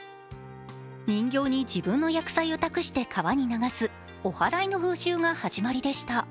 人形に自分の厄災を託して川に流すおはらいの風習が始まりでした。